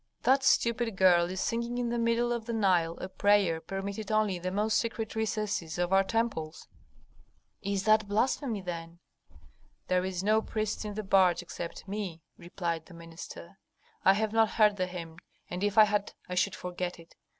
"That stupid girl is singing in the middle of the Nile a prayer permitted only in the most secret recesses of our temples." "Is that blasphemy then?" "There is no priest in the barge except me," replied the minister. "I have not heard the hymn, and if I had I should forget it.